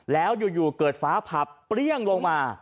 แล้วอยู่เกิดฟ้าผับเปรี้ยงลงมา